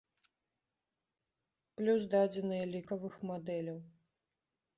Плюс дадзеныя лікавых мадэляў.